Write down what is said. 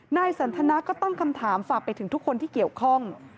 นายสันทนาก็ตั้งคำถามฝากไปถึงทุกคนที่เกี่ยวข้อง